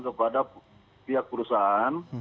kepada pihak perusahaan